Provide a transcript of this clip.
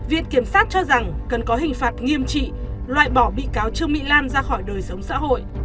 viện kiểm sát cho rằng cần có hình phạt nghiêm trị loại bỏ bị cáo trương mỹ lan ra khỏi đời sống xã hội